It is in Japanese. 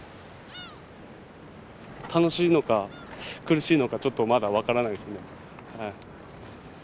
楽しいのか苦しいのかちょっとまだ分からないですね。